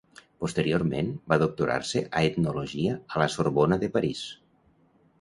Posteriorment, va doctorar-se en etnologia a la Sorbona de París.